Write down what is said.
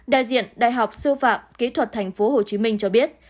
đại diện đại học sư phạm kỹ thuật tp hồ chí minh cho biết